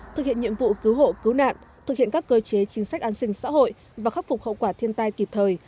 thực hiện nhiệm vụ cứu hộ cứu nạn thực hiện các cơ chế chính sách an sinh xã hội và khắc phục hậu quả thiên tai kịp thời